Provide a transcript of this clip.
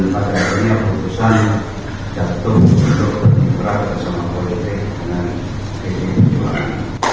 dan pada akhirnya keputusan jatuh untuk berjumpa dengan politik dengan pdi perjuangan